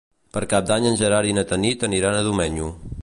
Per Cap d'Any en Gerard i na Tanit aniran a Domenyo.